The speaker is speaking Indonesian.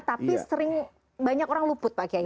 tapi sering banyak orang luput pak kiai